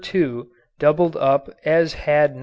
2 doubled up as had No.